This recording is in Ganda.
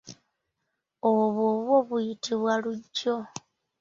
Obw'o bw'o buyitibwa lujjo.